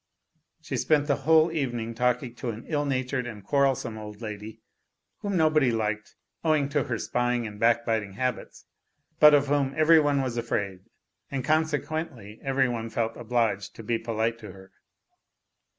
She spent the whole evening talking to an ill natured and quarrelsome old lady, whom nobody liked owing to her spying and backbiting habits, but of whom every one was afraid, and consequently every one felt obliged to be polite to her.